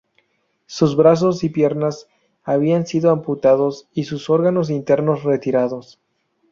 Sus brazos y piernas habían sido amputados y sus órganos internos retirados.